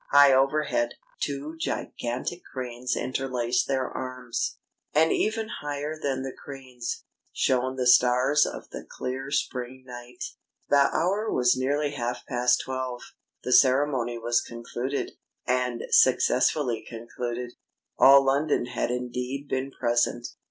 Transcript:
High overhead, two gigantic cranes interlaced their arms; and even higher than the cranes, shone the stars of the clear spring night. The hour was nearly half past twelve. The ceremony was concluded and successfully concluded. All London had indeed been present.